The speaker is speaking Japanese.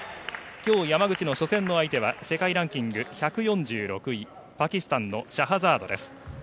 きょう、山口の初戦の相手は世界ランキング１４６位パキスタンのシャハザードです。